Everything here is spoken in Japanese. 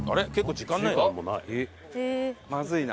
まずいな。